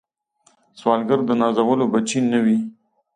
سوالګر د نازولو بچي نه وي